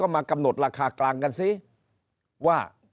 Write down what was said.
มากลางกันซิว่า